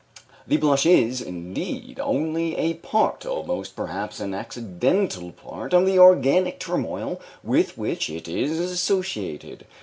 The blush is, indeed, only a part, almost, perhaps, an accidental part, of the organic turmoil with which it is associated.